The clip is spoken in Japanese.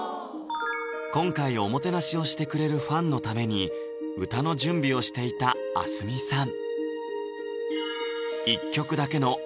今回おもてなしをしてくれるファンのために歌の準備をしていた明日海さん